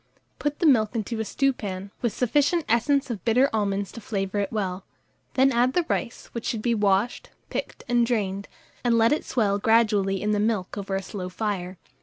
Put the milk into a stewpan, with sufficient essence of bitter almonds to flavour it well; then add the rice, which should be washed, picked, and drained, and let it swell gradually in the milk over a slow fire.